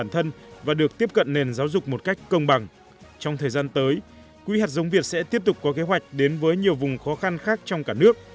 trong thời gian tới quỹ hạt giống việt sẽ tiếp tục có kế hoạch đến với nhiều vùng khó khăn khác trong cả nước